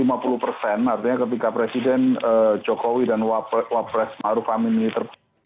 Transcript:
artinya ketika presiden jokowi dan wapresmaru fahmi ini terpenuh